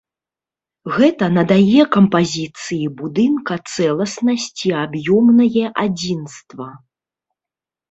Гэта надае кампазіцыі будынка цэласнасць і аб'ёмнае адзінства.